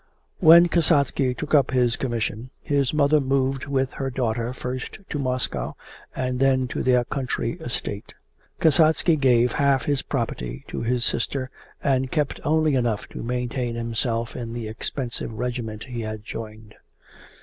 When Kasatsky took up his commission his mother moved with her daughter first to Moscow and then to their country estate. Kasatsky gave half his property to his sister and kept only enough to maintain himself in the expensive regiment he had joined.